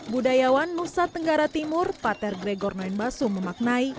budayawan nusa tenggara timur pater gregor noin basu memaknai